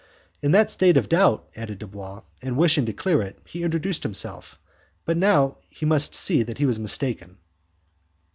"In that state of doubt," added Dubois, "and wishing to clear it, he introduced himself, but now he must see that he was mistaken."